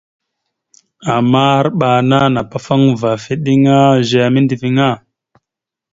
Ama arɓa ana napafaŋva afa eɗeŋa zeya mindəviŋa.